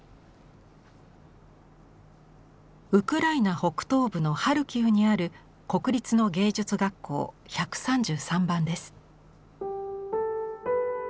ウクライナ北東部のハルキウにある国立の芸術学校１３３番です。